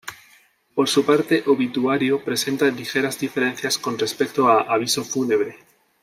Por su parte obituario presenta ligeras diferencias con respecto a aviso fúnebre.